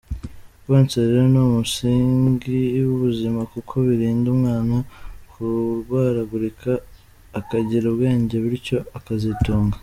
Konsa rero ni umusingi w’ubuzima kuko birinda umwana kurwaragurika, akagira ubwenge bityo akazitunga”.